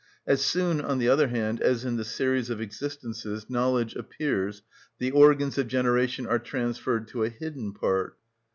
As soon, on the other hand, as in the series of existences knowledge appears the organs of generation are transferred to a hidden part.